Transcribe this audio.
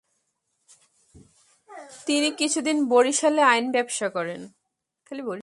তিনি কিছুদিন বরিশালে আইন ব্যবসা করেন।